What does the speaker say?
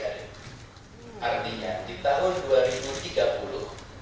artinya di tahun dua ribu tiga puluh